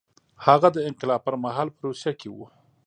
هغه د انقلاب پر مهال په روسیه کې و